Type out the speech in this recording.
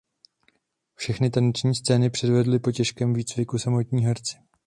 Všechny taneční scény předvedli po těžkém výcviku samotní herci.